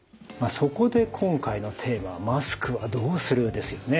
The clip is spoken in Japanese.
そこで今回のテーマはマスクはどうする？ですよね。